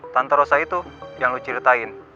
tanto rosa itu yang lo ceritain